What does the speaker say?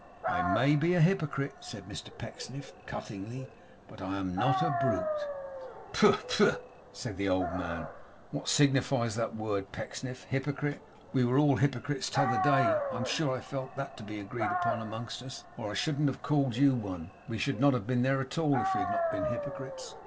I may be a Hypocrite,' said Mr Pecksniff, cuttingly; 'but I am not a Brute.' 'Pooh, pooh!' said the old man. 'What signifies that word, Pecksniff? Hypocrite! why, we are all hypocrites. We were all hypocrites t'other day. I am sure I felt that to be agreed upon among us, or I shouldn't have called you one. We should not have been there at all, if we had not been hypocrites.